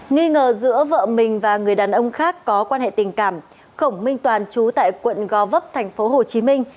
nghi ngờ giữa vợ mình và người đàn ông khác có quan hệ tình cảm khổng minh toàn chú tại quận gò vấp thành phố hồ chí minh